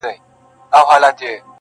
د کورنۍ د غړو په شمول